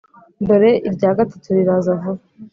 dore irya gatatu riraza vuba.